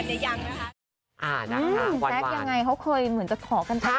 กดอย่างวัยจริงเห็นพี่แอนทองผสมเจ้าหญิงแห่งโมงการบันเทิงไทยวัยที่สุดค่ะ